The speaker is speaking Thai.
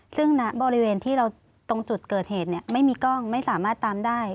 ซึ่งณบริเวณที่เราตรงจุดเกิดเหตุไม่มีกล้องไม่สามารถตามได้